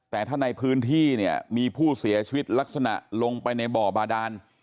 แต่ถ้าในพื้นที่เนี่ยมีผู้เสียชีวิตลักษณะลงไปในบ่อบาดาน